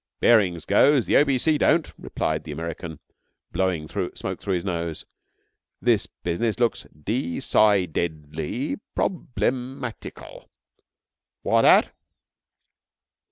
'Baring's goes. The O.B.C. don't,' replied the American, blowing smoke through his nose. 'This business looks de ci ded ly prob le mat i cal. What at?'